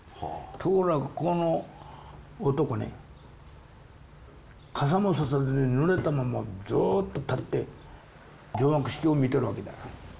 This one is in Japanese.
ところがこの男ね傘も差さずにぬれたままずっと立って除幕式を見てるわけだよ。